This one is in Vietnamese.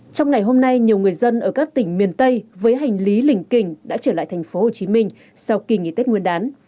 trong ngày hôm nay nhiều người dân ở các tỉnh miền tây với hành lý lình kình đã trở lại thành phố hồ chí minh sau kỳ nghỉ tết nguyên đán